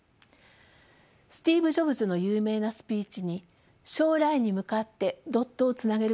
スティーブ・ジョブズの有名なスピーチに「将来に向かってドットをつなげることはできない。